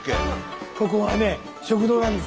ここはね食堂なんですよ。